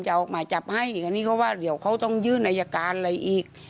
จะเอามาจับให้อันนี้ก็ว่าเดี๋ยวเขาต้องยืนในยาการอะไรอีก